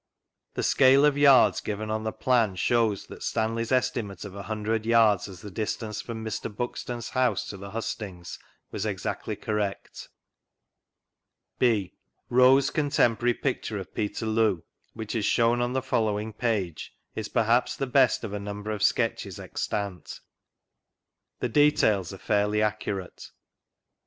The scale of yards given on the Plan shows that Stanley's estimate of a hundred yards as the distance from Mr. Buxton's house to the Hustings was exacdy correct. (A) Wroe's Contemporary Picture of Peterloo, which is shewn on the following page, is perhaps the best of a number of sketches extant. The details are fairly accurate.